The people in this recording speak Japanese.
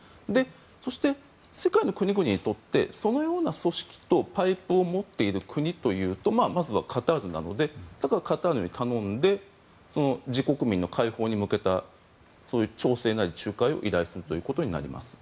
そして、世界の国々にとってそのような組織とパイプを持っている国というとまずはカタールなのでカタールに頼んで自国民の解放に向けた調整なり仲介を依頼するということになります。